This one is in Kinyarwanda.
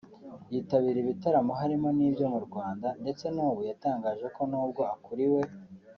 yitabira ibitaramo harimo n'ibyo mu Rwanda ndetse n’ubu yatangaje ko n’ubwo akuriwe